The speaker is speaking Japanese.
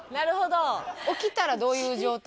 起きたらどういう状態？